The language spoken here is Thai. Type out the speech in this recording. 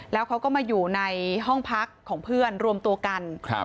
แล้วเขาก็มาอยู่ในห้องพักของเพื่อนรวมตัวกัน